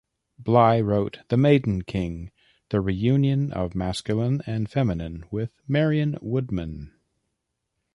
Bly wrote "The Maiden King: The Reunion of Masculine and Feminine" with Marion Woodman.